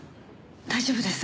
大丈夫です。